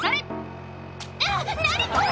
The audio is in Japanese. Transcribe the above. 何これ。